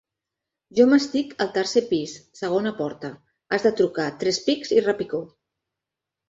Jo m'estic al tercer pis, segona porta: has de trucar tres pics i repicó.